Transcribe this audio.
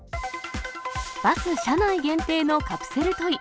バス車内限定のカプセルトイ。